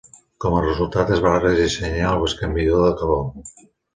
Com a resultat, es va redissenyar el bescanviador de calor.